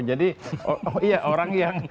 jadi oh iya orang yang